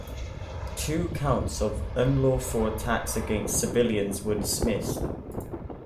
Two counts of unlawful attacks against civilians were dismissed.